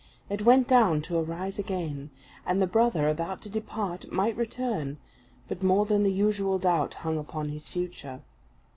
It went down to arise again; and the brother about to depart might return, but more than the usual doubt hung upon his future.